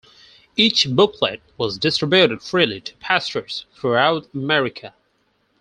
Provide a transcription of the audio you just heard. Each booklet was distributed freely to pastors throughout America.